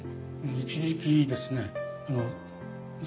一時期ですね娘